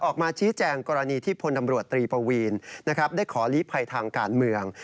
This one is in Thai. ออกมาชี้แจงกรณีที่พลตำรวจตรีปวีนได้ขอลีภัยทางการเมือง